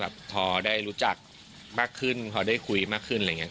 พอได้รู้จักมากขึ้นพอได้คุยมากขึ้นอะไรอย่างนี้